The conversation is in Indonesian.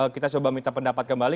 kita coba minta pendapat kembali